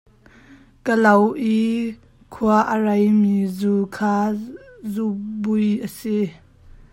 Ka lo i kua a reimi zu kha zubui a si.